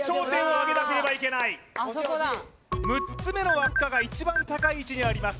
６つ目の輪っかが一番高い位置にあります